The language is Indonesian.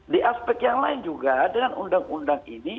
di aspek yang lain juga dengan undang undang ini